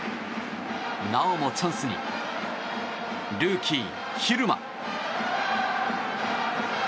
なおもチャンスにルーキー、蛭間。